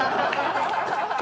ハハハハ！